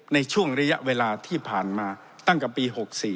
ในช่วงระยะเวลาที่ผ่านมาตั้งแต่ปี๖๔